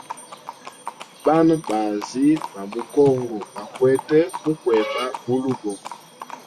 Bana baazi ba mu congo bakwete mukweba bulugo.